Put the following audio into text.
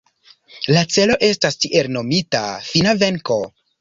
La celo estas tiel nomita fina venko.